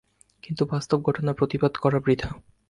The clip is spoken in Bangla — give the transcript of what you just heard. কিন্তু বাস্তব ঘটনার প্রতিবাদ করা বৃথা।